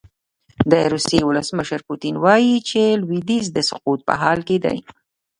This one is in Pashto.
د روسیې ولسمشر پوتین وايي چې لویدیځ د سقوط په حال کې دی.